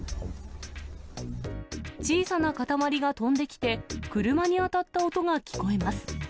小さな塊が飛んできて、車に当たった音が聞こえます。